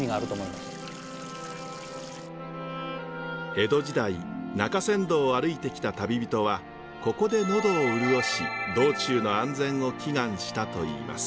江戸時代中山道を歩いてきた旅人はここで喉を潤し道中の安全を祈願したといいます。